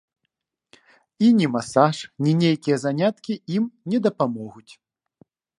І ні масаж, ні нейкія заняткі ім не дапамогуць.